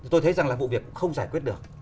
tôi thấy rằng là vụ việc không giải quyết được